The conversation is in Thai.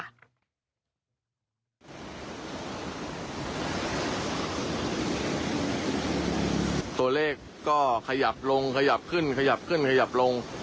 ตัวเลขก็ขยับลงขยับขึ้นขยับขึ้นขยับลง